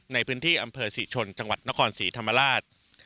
ในพื้นที่อำเภอศรีชนจังหวัดนครศรีธรรมราช